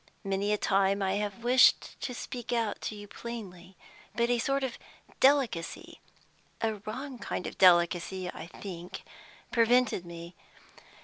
Many a time I have wished to speak out to you plainly, but a sort of delicacy a wrong kind of delicacy, I think prevented me.